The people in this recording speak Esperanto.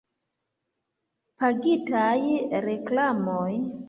Pagitaj reklamoj.